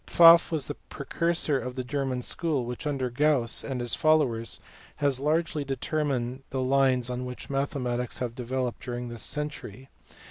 PfafF was the precursor of the German school, which under Gauss and his followers has largely determined the lines on which mathematics have developed during this century.